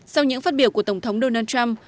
sau những phát biểu của tổng thống donald trump